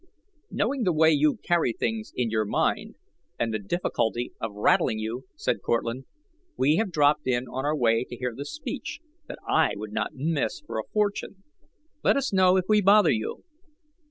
"Knowing the way you carry things in your mind, and the difficulty of rattling you," said Cortlandt, "we have dropped in on our way to hear the speech that I would not miss for a fortune. Let us know if we bother you."